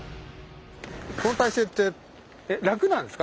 この体勢ってえっ楽なんですか？